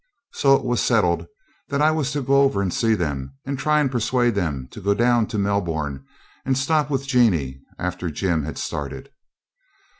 So it was settled that I was to go over and see them, and try and persuade them to go down to Melbourne and stop with Jeanie after Jim had started.